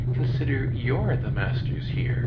Consider you*re the masters here.